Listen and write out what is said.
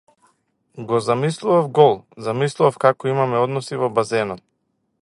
Го замислував гол, замислував како имаме односи во базенот.